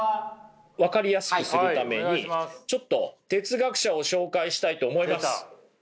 分かりやすくするためにちょっと哲学者を紹介したいと思います。